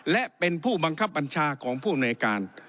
และเป็นผู้บังคับบัญชาของผู้อำนวยการ